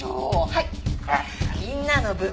はい。